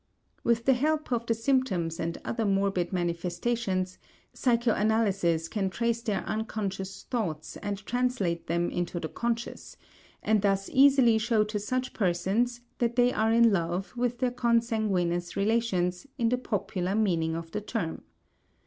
With the help of the symptoms and other morbid manifestations, psychoanalysis can trace their unconscious thoughts and translate them into the conscious, and thus easily show to such persons that they are in love with their consanguinous relations in the popular meaning of the term.